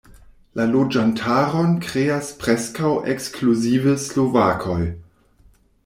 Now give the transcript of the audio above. La loĝantaron kreas preskaŭ ekskluzive slovakoj.